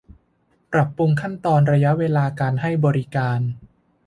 ปรับปรุงขั้นตอนระยะเวลาการให้บริการ